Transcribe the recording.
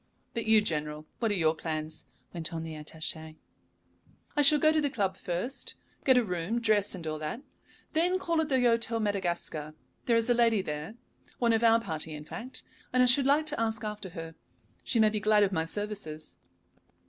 "But you, General, what are your plans?" went on the attaché. "I shall go to the club first, get a room, dress, and all that. Then call at the Hôtel Madagascar. There is a lady there, one of our party, in fact, and I should like to ask after her. She may be glad of my services."